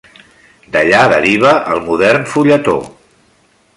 D'allà deriva el modern fulletó.